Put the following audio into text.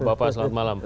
bapak selamat malam